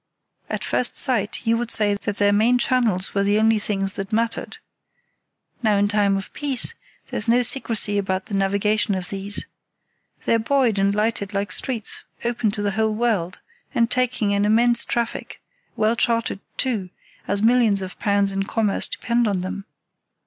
At first sight you would say that their main channels were the only things that mattered. Now, in time of peace there's no secrecy about the navigation of these. They're buoyed and lighted like streets, open to the whole world, and taking an immense traffic; well charted, too, as millions of pounds in commerce depend on them.